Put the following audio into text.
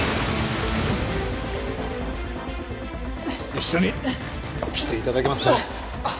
一緒に来て頂けますね？